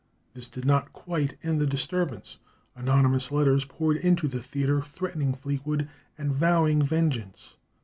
This did not quite end the disturbance. Anonymous letters poured into the theatre, threatening Fleetwood and vowing vengeance.